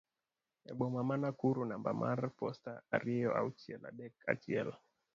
e boma ma Nakuru namba mar posta ariyo auchiel adek achiel